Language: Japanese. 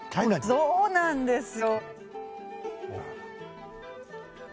そうなんですよ。